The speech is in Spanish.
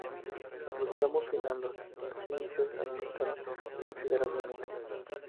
En su tramo final, los índices aumentaron considerablemente.